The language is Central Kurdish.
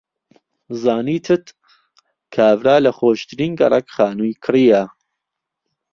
زانیتت کابرا لە خۆشترین گەڕەک خانووی کڕییە.